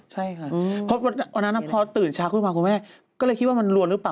ใช่ค่ะเพราะวันนั้นพอตื่นเช้าขึ้นมาคุณแม่ก็เลยคิดว่ามันรวนหรือเปล่า